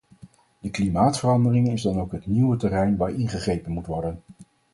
De klimaatverandering is dan ook het nieuwe terrein waar ingegrepen moet worden.